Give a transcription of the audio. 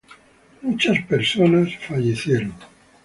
Muchas personas fallecieron.